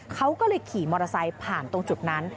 เขาก็เลยขี่มอเตอร์ไซค์ผ่านตรงจุดนั้น